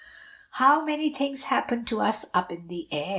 How many things happen to us up in the air!